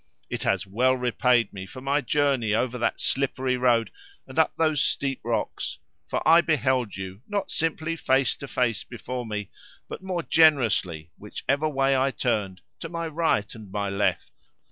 It has well repaid me for my journey over that slippery road, and up those steep rocks; for I beheld you, not simply face to face before me, but, more generously, whichever way I turned, to my right and my left.